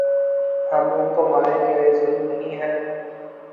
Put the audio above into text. ہم ان کو ماریں کیا یہ ظلم نہیں ہے ۔